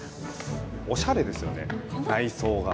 おしゃれですよね内装が。